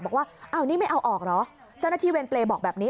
บอกว่าอ้าวนี่ไม่เอาออกเหรอเจ้าหน้าที่เวรเปรย์บอกแบบนี้